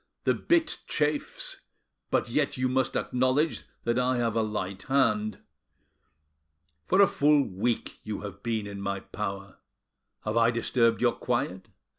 The bit chafes, but yet you must acknowledge that I have a light hand. For a full week you have been in my power. Have I disturbed your quiet?